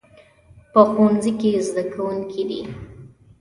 په ښوونځي کې زده کوونکي دي